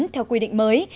theo quy định mới